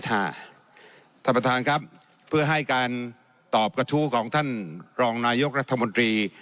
ท่านประธานครับเพื่อให้การตอบกระทู้ของท่านรองนายกรัฐมนตรี